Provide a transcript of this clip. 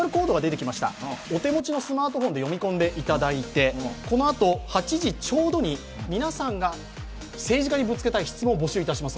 お手持ちのスマートフォンで読み込んでいただいてこのあと、８時ちょうどに皆さんが政治家にぶつけたい質問を募集します。